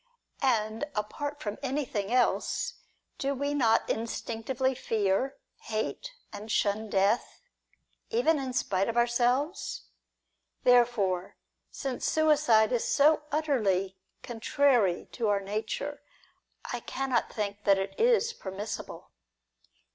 And, apart from anything else, do we not instinctively fear, hate, and shun death, even in spite of ourselves ? There fore, since suicide is so utterly contrary to our nature, I cannot think that it is permissible.